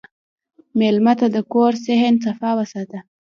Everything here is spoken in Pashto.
مېلمه ته د کور صحن صفا وساته.